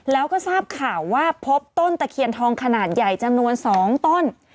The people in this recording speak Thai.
แล้วก็ทราบข่าวว่าพบต้นตะเคียนทองขนาดใหญ่จำนวน๒ต้น